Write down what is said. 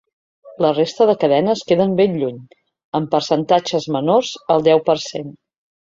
La resta de cadenes queden ben lluny, amb percentatges menors al deu per cent.